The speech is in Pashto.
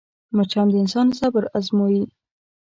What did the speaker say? مچان د انسان صبر ازموي